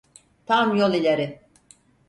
Tam yol ileri!